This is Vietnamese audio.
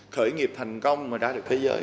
khởi nghiệp thành công mà ra được thế giới